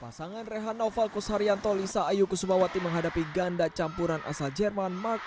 pasangan rehano valkus haryanto lisa ayu kusumawati menghadapi ganda campuran asal jerman mark